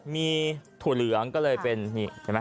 มีถั่วเหลืองอันนี้